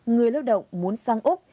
người lao động muốn sang úc